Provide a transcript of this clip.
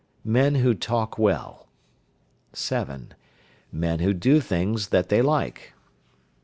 Men who talk well. 7. Men who do things that they like.